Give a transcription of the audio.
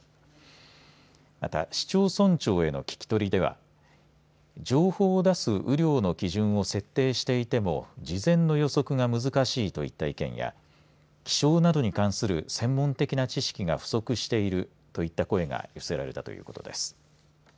また市長村長への聞き取りでは情報を出す雨量の基準を設定していても事前の予測が難しいといった意見や気象などに関する専門的な知識が不足しているといった声が寄せられたということです。